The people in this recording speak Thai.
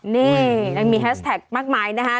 นี่ยังมีแฮสแท็กมากมายนะฮะ